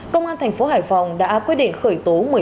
công an tp hải phòng đã quyết định khởi tố một mươi ba